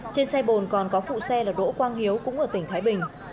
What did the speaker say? trên xe bồn còn có phụ xe là đỗ quang hiếu cũng ở tỉnh thái bình